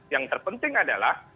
yang terpenting adalah